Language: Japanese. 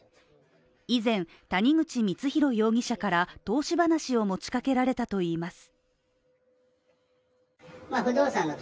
以前、谷口光弘容疑者から投資話を持ちかけられたといいます。